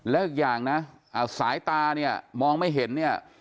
แล้วอีกอย่างนะสายตาเนี่ยมองไม่เห็นเนี่ย